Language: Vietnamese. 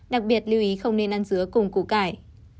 đặc biệt lưu ý không nên ăn dứa cùng củ cải